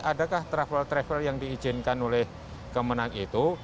adakah travel travel yang diizinkan oleh kemenang itu